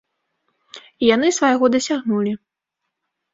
І яны свайго дасягнулі.